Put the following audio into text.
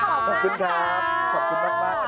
ขอบคุณครับ